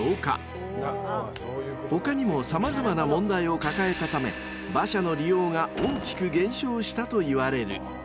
［他にも様々な問題を抱えたため馬車の利用が大きく減少したといわれる］